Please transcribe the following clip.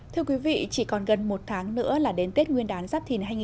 thưa quý vị chỉ còn gần một tháng nữa là đến tết nguyên đán giáp thìn hai nghìn hai mươi bốn